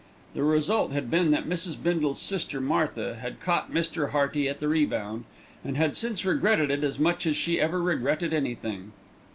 The result had been that Mrs. Bindle's sister, Martha, had caught Mr. Hearty at the rebound, and had since regretted it as much as she ever regretted anything.